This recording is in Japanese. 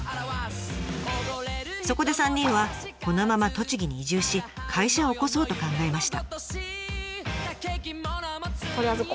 そこで３人はこのまま栃木に移住し会社を興そうと考えました。